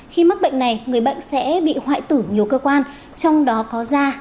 khi mắc bệnh này người bệnh sẽ bị hoại tử nhiều cơ quan trong đó có da